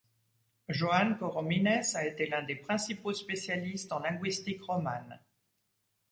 Joan Coromines a été l'un des principaux spécialistes en linguistique romane.